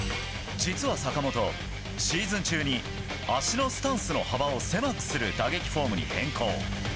実は坂本、シーズン中に足のスタンスの幅を狭くする打撃フォームに変更。